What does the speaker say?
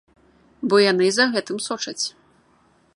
Бо яны за гэтым сочаць.